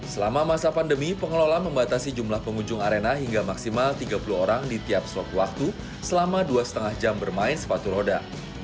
selama masa pandemi pengelola membatasi jumlah pengunjung arena hingga maksimal tiga puluh orang di tiap slot waktu selama dua lima jam bermain sepatu roda